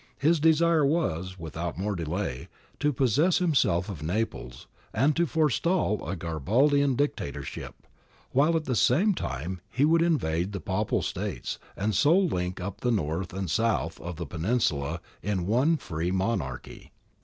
^ His desire was, without more delay, to possess himself of Naples and so to forestall a Cxaribaldian Dictatorship ; while at the same time he would invade the Papal States and so link up the north and south of the Peninsula in one free monarchy.